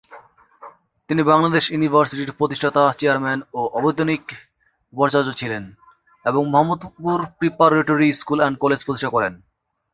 তিনি বাংলাদেশ ইউনিভার্সিটির প্রতিষ্ঠাতা চেয়ারম্যান ও অবৈতনিক উপাচার্য ছিলেন এবং Mohammadpur preparatory school and college প্রতিষ্ঠা করেন।